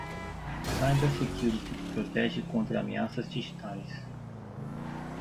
Cybersecurity protege contra ameaças digitais.